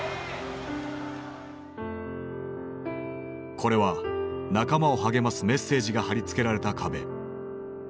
これは仲間を励ますメッセージが貼り付けられた壁。